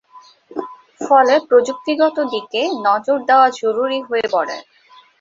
ফলে প্রযুক্তিগত দিকে নজর দেওয়া জরুরী হয়ে পড়ে।